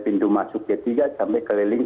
pintu masuk ketiga sampai keliling